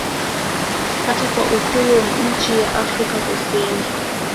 hata kwa uhuru wa nchi ya afrika kusini